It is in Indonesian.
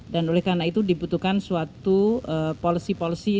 dan oleh karena itu dibutuhkan suatu polisi polisi